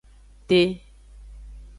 Te.